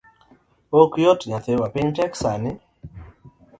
Ok oyot nyathiwa, piny tek sani.